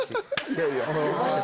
いやいや。